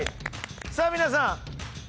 さあ皆さん。